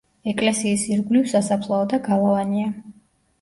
ეკლესიის ირგვლივ სასაფლაო და გალავანია.